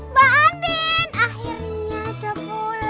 mbak andin akhirnya kau pulang